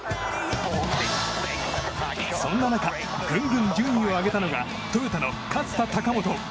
そんな中ぐんぐん順位を上げたのがトヨタの勝田貴元。